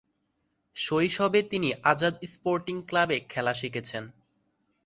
শৈশবে তিনি আজাদ স্পোর্টিং ক্লাবে খেলা শিখেছেন।